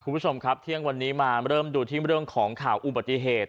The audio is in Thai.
คุณผู้ชมครับเที่ยงวันนี้มาเริ่มดูที่เรื่องของข่าวอุบัติเหตุ